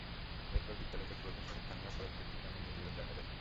এরপর বিদ্যালয় কর্তৃপক্ষের সঙ্গে স্থানীয় কয়েক ব্যক্তির জমি নিয়ে বিরোধ দেখা দেয়।